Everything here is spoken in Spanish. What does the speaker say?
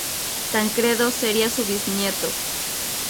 Tancredo sería su bisnieto.